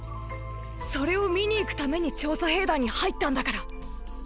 それを見に行くために調査兵団に入ったんだから。